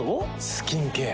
スキンケア。